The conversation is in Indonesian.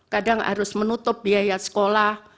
kadang harus menutup biaya sekolah